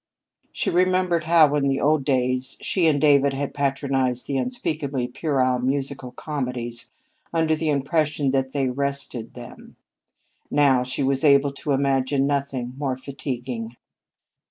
She remembered how, in the old days, she and David had patronized the unspeakably puerile musical comedies under the impression that they "rested" them. Now, she was able to imagine nothing more fatiguing.